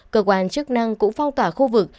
cơ quan chức năng cũng phong tỏa khu vực